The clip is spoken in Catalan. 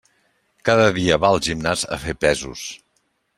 Cada dia va al gimnàs a fer pesos.